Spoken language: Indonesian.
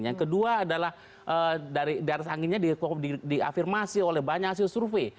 yang kedua adalah dari di atas anginnya diafirmasi oleh banyak hasil survei